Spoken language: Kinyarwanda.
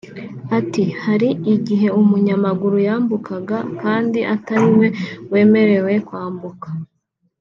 Ati “Hari igihe umunyamaguru yambukaga kandi atari we wemerewe kwambuka